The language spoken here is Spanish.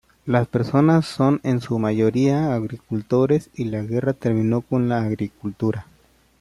Las personas son en su mayoría agricultores y la guerra terminó con la agricultura.